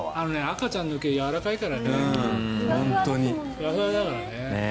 赤ちゃんの毛やわらかいからね。